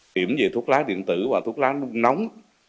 điểm về thuốc lá điện tử và thuốc lá làm nóng